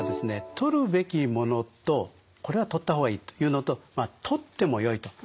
「とるべきもの」と「これはとった方がいい」というのと「とってもよい」と。